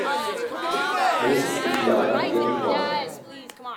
Großes Indianerehrenwort!